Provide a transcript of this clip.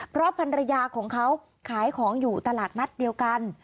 เพราะภรรยาของเขาขายของอยู่ตลาดนัดเดียวกัน